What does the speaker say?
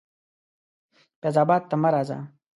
فیض آباد ته مه راځه.